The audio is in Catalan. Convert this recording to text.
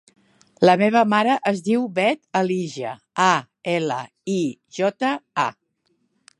La meva mare es diu Bet Alija: a, ela, i, jota, a.